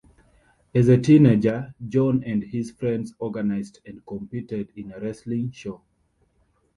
As a teenager, John and his friends organized and competed in a wrestling show.